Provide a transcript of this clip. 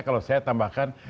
kalau saya tambahkan